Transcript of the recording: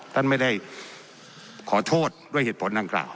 ท่านไม่ได้ขอโทษด้วยเหตุผลดังกล่าว